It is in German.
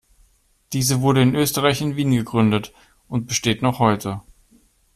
Diese wurde in Österreich in Wien gegründet und besteht noch heute.